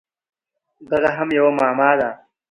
دغه هم یوه معما ده!